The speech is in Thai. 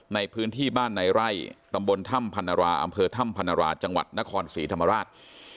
ในพื้นที่บ้านในไร่ตำบลถ้ำพันราอำเภอถ้ำพนราจังหวัดนครศรีธรรมราช